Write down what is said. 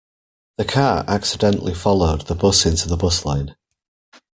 The car accidentally followed the bus into the bus lane.